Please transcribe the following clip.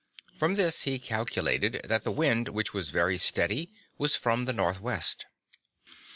From this he calculated that the wind which was very steady was from the northwest.